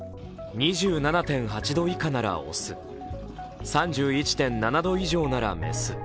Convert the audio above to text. ２７．８度以下なら雄、３１．７度以上なら雌。